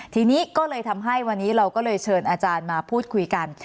ทีนี้ก็เลยทำให้วันนี้เราก็เลยเชิญอาจารย์มาพูดคุยกัน